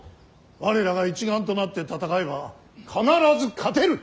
我らが一丸となって戦えば必ず勝てる。